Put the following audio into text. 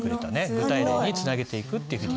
具体例につなげていくっていうふうに。